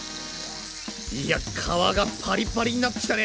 いや皮がパリパリになってきたね。